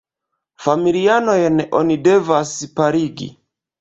Familianojn oni devas parigi.